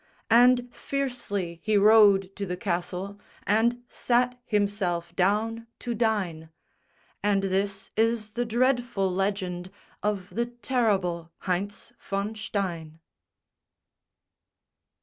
And fiercely he rode to the castle And sat himself down to dine; And this is the dreadful legend Of the terrible Heinz von Stein.